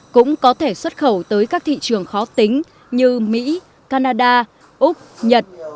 cũng có thể xuất khẩu tới các thị trường khó tính như mỹ canada úc nhật